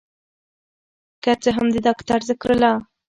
که څه هم د داکتر ذکر الله